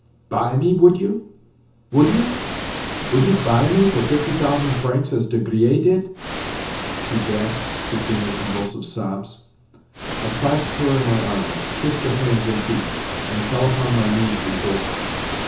"Buy me, would you, would you? Would you buy me for fifty thousand francs as De Griers did?" she gasped between her convulsive sobs. I clasped her in my arms, kissed her hands and feet, and fell upon my knees before her.